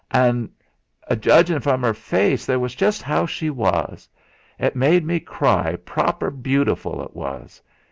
Ah! an' judgin' from 'er face, that was just 'ow she was. Et made me cry praaper butiful et was!